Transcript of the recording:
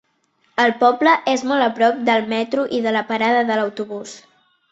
El poble és molt a prop del metro i de la parada de l'autobús.